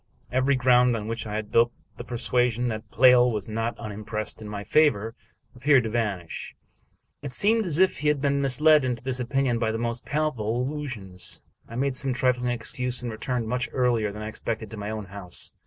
Every ground on which I had built the persuasion that Pleyel was not unimpressed in my favor appeared to vanish. It seemed as if I had been misled into this opinion by the most palpable illusions. I made some trifling excuse, and returned, much earlier than I expected, to my own house.